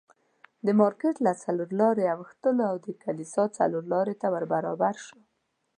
د مارکېټ له څلور لارې اوښتلو او د کلیسا څلورلارې ته ور برابر شوو.